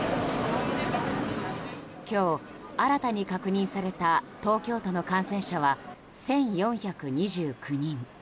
今日、新たに確認された東京都の感染者は１４２９人。